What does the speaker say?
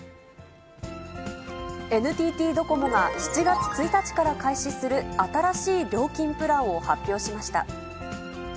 ＮＴＴドコモが７月１日から開始する新しい料金プランを発表しました。